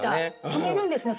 止めるんですね